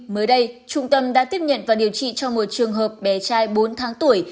mới đây trung tâm đã tiếp nhận và điều trị cho một trường hợp bé trai bốn tháng tuổi